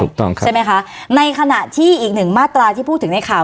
ถูกต้องครับใช่ไหมคะในขณะที่อีกหนึ่งมาตราที่พูดถึงในข่าว